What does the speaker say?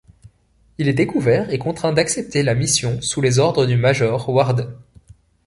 Il est découvert et contraint d'accepter la mission sous les ordres du major Warden.